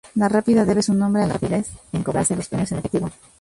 La Rápida debe su nombre a la rapidez en cobrarse los premios en efectivo.